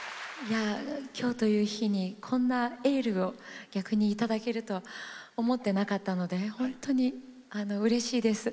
今日という日にこんなエールを逆にいただけると思ってなかったので本当にうれしいです。